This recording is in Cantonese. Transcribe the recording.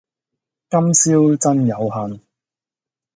今宵真有幸